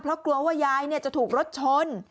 เพราะกลัวว่ายายจะถูกรถชน